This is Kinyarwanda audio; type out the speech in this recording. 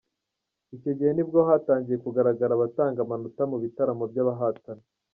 Icyo gihe nibwo hatangiye kugaragara abatanga amanota mu bitaramo by’abahatana.